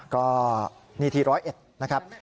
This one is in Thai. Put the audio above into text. ก็นิที๑๐๑นะครับ